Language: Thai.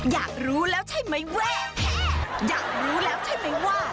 อยากรู้แล้วใช่ไหมว่าอยากรู้แล้วใช่ไหมว่า